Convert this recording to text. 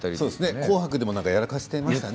紅白でもやらかしていましたよね。